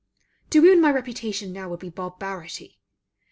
To wound my reputation now would be barbarity.